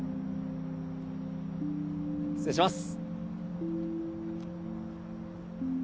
失礼します